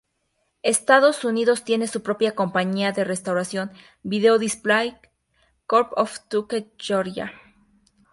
Estados Unidos tiene su propia compañía de restauración, Video Display Corp of Tucker, Georgia.